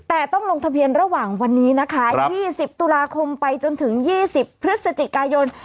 แต่ต้องลงทะเบียนระหว่างวันนี้นะคะ๒๐ตุลาคมไปจนถึง๒๐พฤศจิกายน